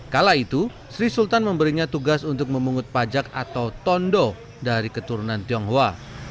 kala itu sri sultan memberinya tugas untuk memungut pajak atau tondo dari keturunan tionghoa